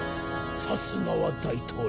さすがは大統領だ。